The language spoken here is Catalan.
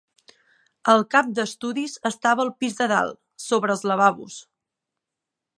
El cap d'estudis estava al pis de dalt, sobre els lavabos.